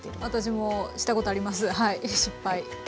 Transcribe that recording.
私もしたことあります失敗。